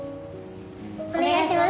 お願いします。